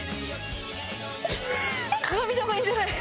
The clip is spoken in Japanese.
鏡見た方がいいんじゃない？